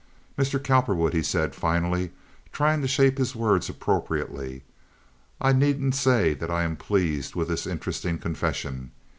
"Mr. Cowperwood," he said, finally, trying to shape his words appropriately, "I needn't say that I am pleased with this interesting confession.